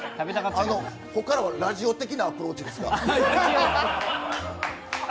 ここからはラジオ的なアプローチですか？